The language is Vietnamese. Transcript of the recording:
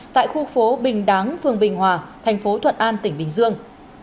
tại khu phố bình đáng phường bình hòa thành phố thuận an tỉnh bình dương